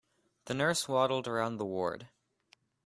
The nurse waddled around the ward.